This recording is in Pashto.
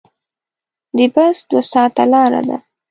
د بس دوه ساعته لاره ده.